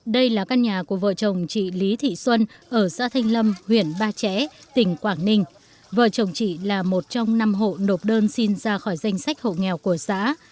đây là căn nhà của vợ chồng chị lý thị xuân ở xã thanh lâm huyện ba trẻ tỉnh quảng ninh vợ chồng chị là một trong năm hộ nộp đơn xin ra khỏi danh sách hộ nghèo của xã